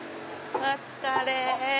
お疲れ。